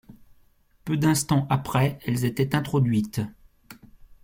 Peu d'instants après, elles étaient introduites.